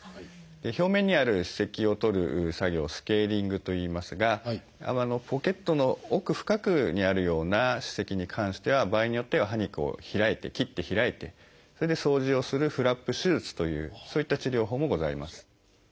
表面にある歯石を取る作業をスケーリングといいますがポケットの奥深くにあるような歯石に関しては場合によっては歯肉を開いて切って開いてそれで掃除をするフラップ手術というそういった治療法もございます。